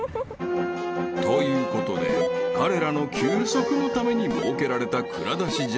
［ということで彼らの休息のために設けられた蔵出しジャーニー］